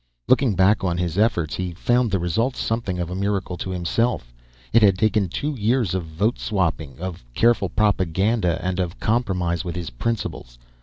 Looking back on his efforts, he found the results something of a miracle to himself. It had taken two years of vote swapping, of careful propaganda, and of compromise with his principles.